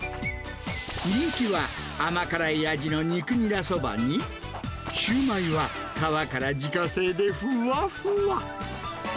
人気は甘辛い味の肉ニラそばに、シューマイは皮から自家製でふわふわ。